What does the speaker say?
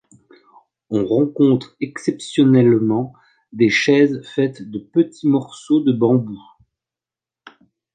On rencontre exceptionnellement des chaises faites de petits morceaux de bambou.